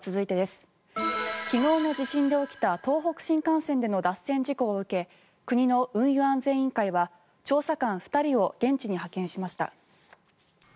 昨日の地震で起きた東北新幹線での脱線事故を受け国の運輸安全委員会は調査官２人を現地に派遣しました。